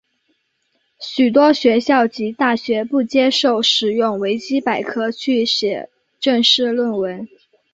许多学校及大学不接受使用维基百科去写正式论文。